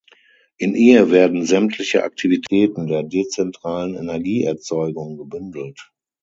In ihr werden sämtliche Aktivitäten der dezentralen Energieerzeugung gebündelt.